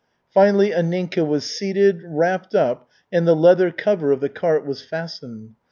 Finally Anninka was seated, wrapped up, and the leather cover of the cart was fastened.